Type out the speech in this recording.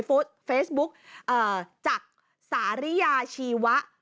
โพสต์เฟซบุ๊กจากสาริยาชีวะ